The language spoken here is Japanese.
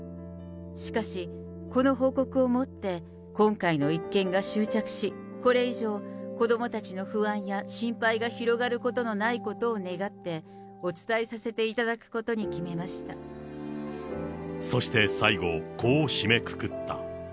しかし、この報告をもって今回の一件が終着し、これ以上、子どもたちの不安や心配が広がることのないことを願って、お伝えそして最後、こう締めくくった。